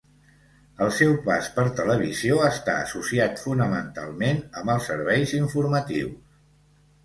El seu pas per televisió està associat fonamentalment amb els serveis informatius.